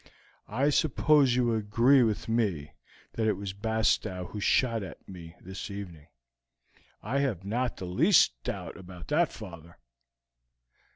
I suppose you agree with me that it was Bastow who shot at me this evening?" "I have not the least doubt about that, father."